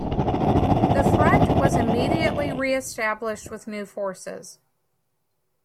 The Front was immediately re-established with new forces.